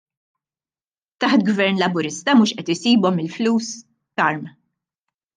Taħt Gvern Laburista mhux qed isibhom il-flus, Karm?